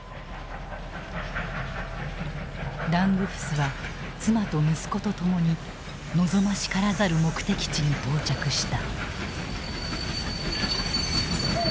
ラングフスは妻と息子と共に望ましからざる目的地に到着した。